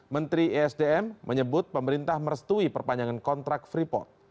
menteri esdm menyebut pemerintah merestui perpanjangan kontrak freeport